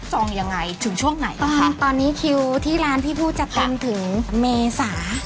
องยังไงถึงช่วงไหนตอนนี้คิวที่ร้านพี่พูดจะเป็นถึงเมษา